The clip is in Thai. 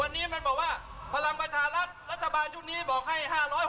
วันนี้มันบอกว่าพลังประชารัฐรัฐบาลชุดนี้บอกให้๕๖๐